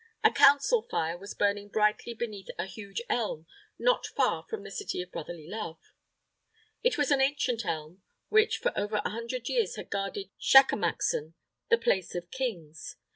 A Council fire was burning brightly beneath a huge Elm, not far from the City of Brotherly Love. It was an ancient Elm, which for over a hundred years had guarded Shackamaxon, the Place of Kings.